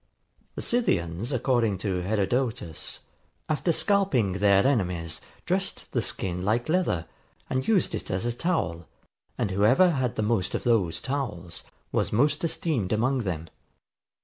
The Scythians, according to Herodotus, [Footnote: Lib. iv.] after scalping their enemies, dressed the skin like leather, and used it as a towel; and whoever had the most of those towels was most esteemed among them.